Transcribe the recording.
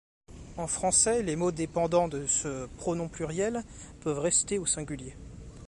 En français, les mots dépendant de ce pronom pluriel peuvent rester au singulier.